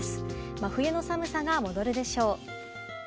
真冬の寒さが戻るでしょう。